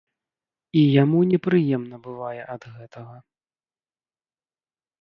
І яму непрыемна бывае ад гэтага.